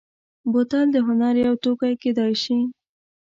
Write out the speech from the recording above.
بوتل د هنر یو توکی کېدای شي.